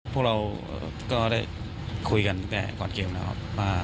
พวกเราก็ได้คุยกันแต่ก่อนเกมแล้ว